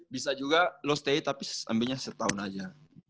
bisa juga lo stay tapi ambilnya setahun aja